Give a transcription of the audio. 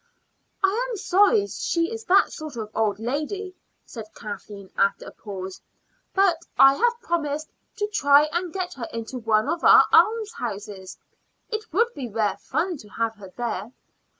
"I am sorry she is that sort of old lady," said Kathleen after a pause; "but I have promised to try and get her into one of our almshouses. It would be rare fun to have her there."